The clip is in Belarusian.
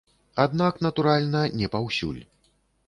Аднак, натуральна, не паўсюль.